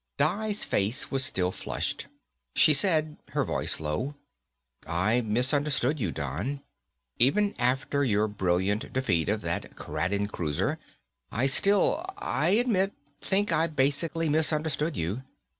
Di's face was still flushed. She said, her voice low, "I misunderstood you, Don. Even after your brilliant defeat of that Kraden cruiser, I still, I admit, think I basically misunderstood you.